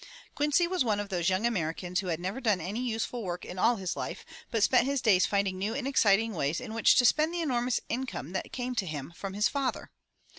Quincy was one of those young Americans who had never done any useful work in all his life, but spent his days finding new and exciting ways in which to spend the enormous income that came to him from his father.